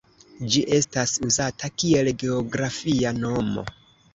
Ĝi estas uzata kiel geografia nomo.